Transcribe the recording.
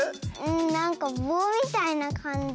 なんかぼうみたいなかんじ。